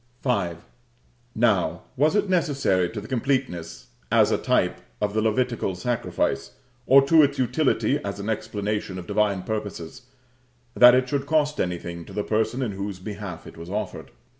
V. Now, was it necessary to the completeness, as a type, of the Levitical sacrifice, or to its utility as an explanation of divine purposes, that it should cost anything to the person in whose behalf it was offered?